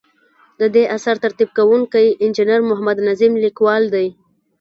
ددې اثر ترتیب کوونکی انجنیر محمد نظیم کلیوال دی.